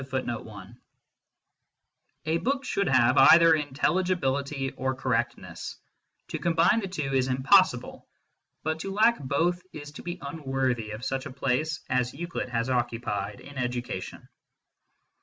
1 A book should have either intelligibility or correctness ; to combine the two is impossible, but to lack both is to be unworthy of such a place as Euclid has occupied in education.